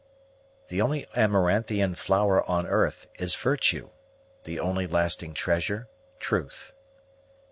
The only amaranthian flower on earth Is virtue; the only lasting treasure, truth.